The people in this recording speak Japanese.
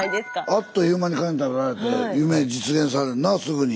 あっという間にカニ食べられて夢実現すぐに。